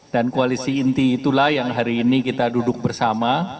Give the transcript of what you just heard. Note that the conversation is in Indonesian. dan koalisi inti itulah yang hari ini kita duduk bersama